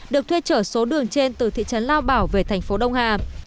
được thuê trở số đường trên từ thị trấn lao bảo về thành phố đông hà